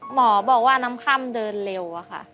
หมอบอกว่าน้ำค่ำเดินเร็วอะค่ะ